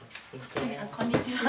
こんにちは。